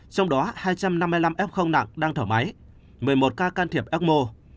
trong đó hai trăm năm mươi năm f nặng đang thở máy một mươi một ca can thiệp ecmo